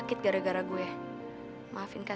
kita harus cari dia